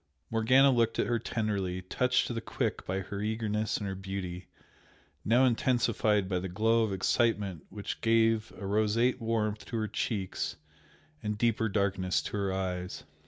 Morgana looked at her tenderly, touched to the quick by her eagerness and her beauty, now intensified by the glow of excitement which gave a roseate warmth to her cheeks and deeper darkness to her eyes.